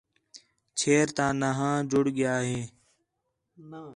چھیر تا نھاں جڑ ڳیا ہِے